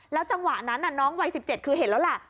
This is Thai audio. เมื่อเวลานั้นน้องวัยสิบเจ็ดคือเห็นแล้วแหละ